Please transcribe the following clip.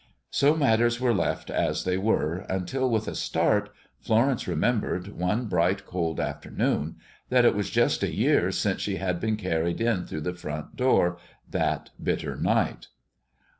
So matters were left as they were, until, with a start, Florence remembered, one bright, cold afternoon, that it was just a year since she had been carried in through the front door that bitter night.